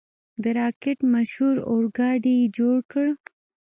د راکټ مشهور اورګاډی یې جوړ کړ.